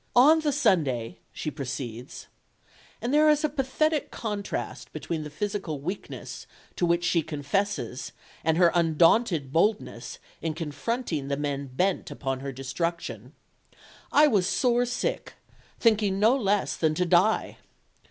"On the Sunday," she proceeds and there is a pathetic contrast between the physical weakness to which she confesses and her undaunted boldness in confronting the men bent upon her destruction "I was sore sick, thinking no less than to die....